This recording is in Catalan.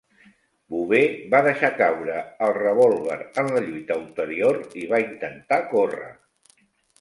Bouvet va deixar caure el revòlver en la lluita ulterior i va intentar córrer.